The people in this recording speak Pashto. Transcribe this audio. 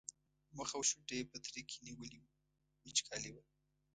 مخ او شونډو یې پترکي نیولي وو وچکالي وه.